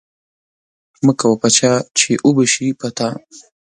مه کوه په چا چی اوبه شی په تا.